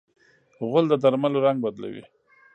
غول د درملو رنګ بدلوي.